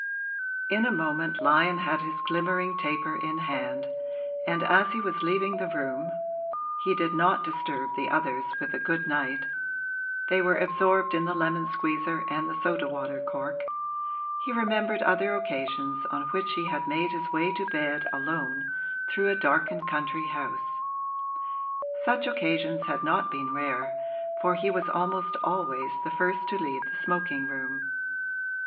In a moment Lyon had his glimmering taper in hand, and as he was leaving the room (he did not disturb the others with a good night; they were absorbed in the lemon squeezer and the soda water cork) he remembered other occasions on which he had made his way to bed alone through a darkened country house; such occasions had not been rare, for he was almost always the first to leave the smoking room.